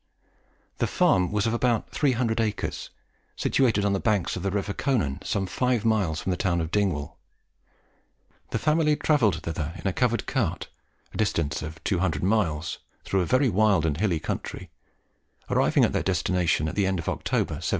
The farm was of about 300 acres, situated on the banks of the river Conan, some five miles from the town of Dingwall. The family travelled thither in a covered cart, a distance of 200 miles, through a very wild and hilly country, arriving at their destination at the end of October, 1799.